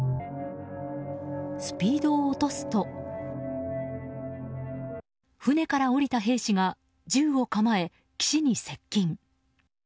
スピードを落とすと船から降りた兵士が銃を構え、岸に接近。